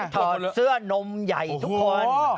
ถอดเสื้อนมใหญ่ทุกคน